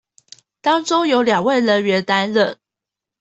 當中有兩位人員擔任